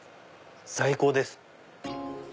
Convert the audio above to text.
最高です。